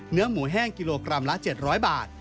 เนื้อหมูแห้งกิโลกรัมละ๗๐๐บาท